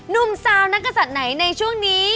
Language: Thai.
หนุ่มสาวนักศัตริย์ไหนในช่วงนี้